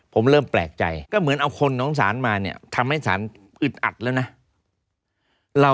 ผมเริ่มแปลกใจก็เหมือนเอาคนของสารมาเนี่ยทำให้สารอึดอัดแล้วนะ